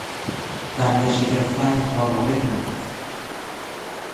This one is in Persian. دنگش گرفته این کار را بکند.